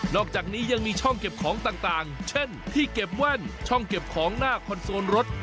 อกจากนี้ยังมีช่องเก็บของต่างเช่นที่เก็บแว่นช่องเก็บของหน้าคอนโซลรถ